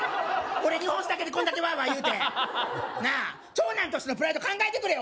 俺日本酒だけでこんだけワーワー言うてなあ長男としてのプライド考えてくれよ